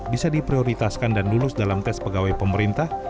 bisa diprioritaskan dan lulus dalam tes pegawai pemerintah